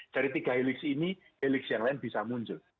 dari tiga helix ini helix yang lain bisa muncul